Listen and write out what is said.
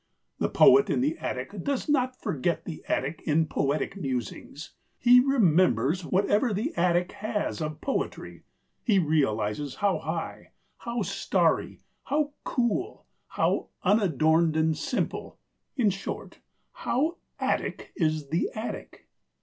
The poet in the attic does not forget the attic in poetic musings; he remembers whatever the attic has of poetry; he realises how high, how starry, how cool, how unadorned and simple—in short, how Attic is the attic.